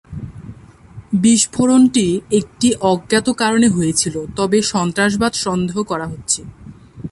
বিস্ফোরণটি একটি অজ্ঞাত কারণে হয়েছিল, তবে সন্ত্রাসবাদ সন্দেহ করা হচ্ছে।